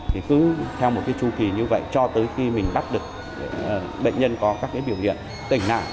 thì cứ theo một chú kỳ như vậy cho tới khi mình bắt được bệnh nhân có các biểu hiện tỉnh nạn